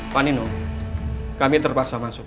pak nino kami terpaksa masuk